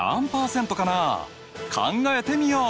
考えてみよう！